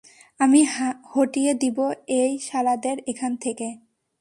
আমি হটিয়ে দিব এই শালাদের এখান থেকে।